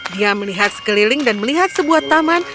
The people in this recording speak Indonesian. dia melihat sekeliling dan melihat sebuah taman